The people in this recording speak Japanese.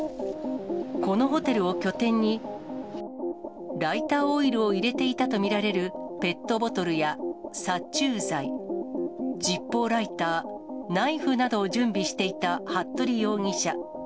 このホテルを拠点に、ライターオイルを入れていたと見られるペットボトルや、殺虫剤、ジッポーライター、ナイフなどを準備していた服部容疑者。